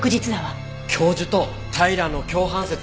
教授と平良の共犯説